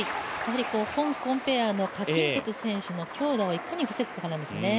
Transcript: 香港ペアの何鈞傑選手の強打をいかに防ぐかなんですね。